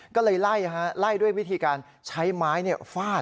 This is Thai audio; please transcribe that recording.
ก็เลยไล่ด้วยวิธีการใช้ไม้ฟาด